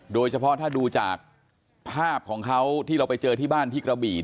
โดยเฉพาะถ้าดูจากภาพของเขาที่เราไปเจอที่บ้านที่กระบี่